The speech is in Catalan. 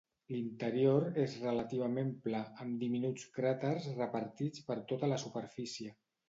L'interior és relativament pla, amb diminuts cràters repartits per tota la superfície.